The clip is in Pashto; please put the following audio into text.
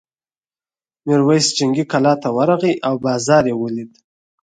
میرويس جنګي کلا ته ورغی او بازار یې ولید.